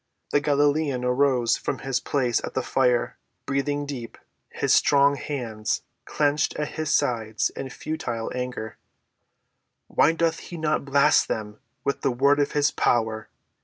The Galilean rose from his place at the fire, breathing deep, his strong hands clenched at his sides in futile anger. "Why doth he not blast them with the word of his power?"